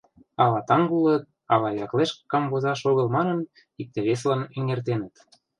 Ала таҥ улыт, ала яклешт камвозаш огыл манын, икте-весылан эҥертеныт.